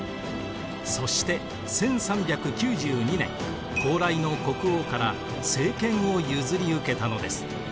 そして１３９２年高麗の国王から政権を譲り受けたのです。